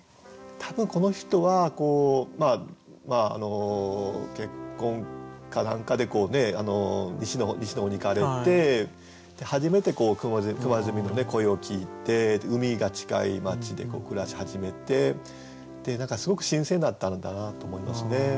多分この人は結婚か何かで西の方に行かれて初めて熊の声を聞いて海が近い街で暮らし始めてすごく新鮮だったんだなと思いますね。